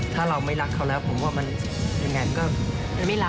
ถ้าเราไม่รักเขาแล้วผมว่ามันยังไงอ่ะ